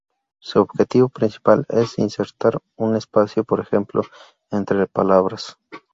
Su objetivo principal es insertar un espacio, por ejemplo, entre palabras.